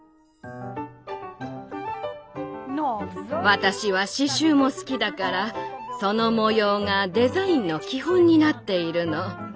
私は刺繍も好きだからその模様がデザインの基本になっているの。